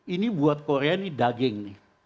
ini buat korea ini daging nih